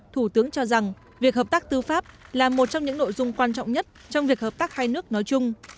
thủ tướng cho rằng việc hợp tác tư pháp là một trong những nội dung quan trọng nhất trong việc hợp tác hai nước nói chung